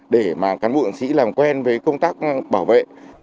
để mà cán bộ sĩ làm quen với công tác bảo vệ